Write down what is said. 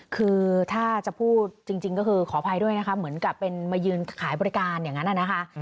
คือถ้าจะพูดจริงก็คือขออภัยด้วยนะคะเหมือนกับเป็นมายืนขายบริการอย่างนั้นนะคะ